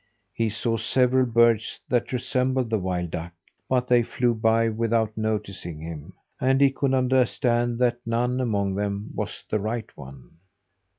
He saw several birds that resembled the wild duck, but they flew by without noticing him, and he could understand that none among them was the right one.